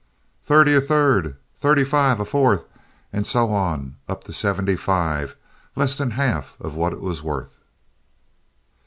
"Thirty!" a third. "Thirty five!" a fourth, and so up to seventy five, less than half of what it was worth.